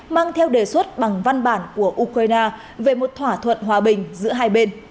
mang theo đề xuất bằng văn bản của ukraine về một thỏa thuận hòa bình giữa hai bên